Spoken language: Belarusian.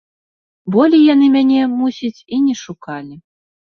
Болей яны мяне, мусіць, і не шукалі.